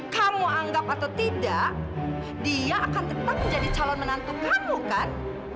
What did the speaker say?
kamu anggap atau tidak dia akan tetap menjadi calon menantu kamu kan